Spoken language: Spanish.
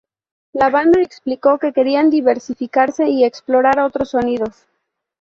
La banda explicó que querían diversificarse y explorar otros sonidos.